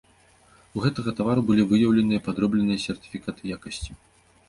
У гэтага тавару былі выяўленыя падробленых сертыфікаты якасці.